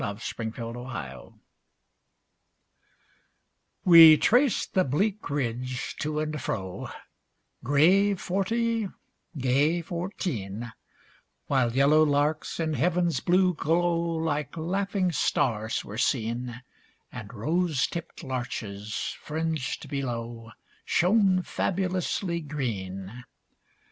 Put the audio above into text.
22 The Train of Life We traced the bleak ridge, to and fro, Grave forty, gay fourteen ; While yellow larks, in heaven's blue glow, Like laughing stars were seen, And rose tipp'd larches, fringed below, Shone fabulously green.